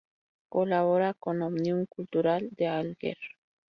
Colabora con Òmnium Cultural de Alguer.